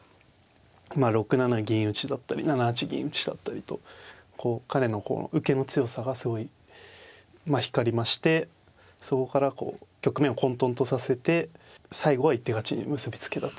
６七銀打だったり７八銀打だったりとこう彼のこの受けの強さがすごい光りましてそこからこう局面を混とんとさせて最後は一手勝ちに結び付けたという。